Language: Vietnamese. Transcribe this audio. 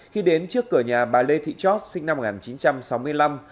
khi đến trước cửa nhà bà lê thị chót sinh năm một nghìn chín trăm sáu mươi năm